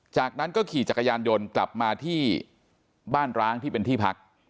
จากนั้นก็ขี่จักรยานยนต์กลับมาที่บ้านร้างที่เป็นที่พัก